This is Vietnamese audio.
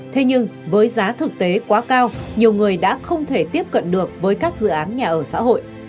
thế nhưng với giá thực tế quá cao nhiều người đã không thể tiếp cận được với các dự án nhà ở xã hội